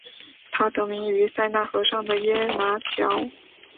它得名于塞纳河上的耶拿桥。